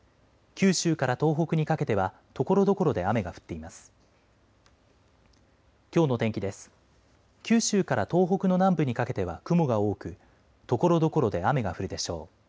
九州から東北の南部にかけては雲が多くところどころで雨が降るでしょう。